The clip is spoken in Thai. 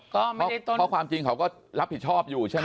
เพราะความจริงเขาก็รับผิดชอบอยู่ใช่ไหม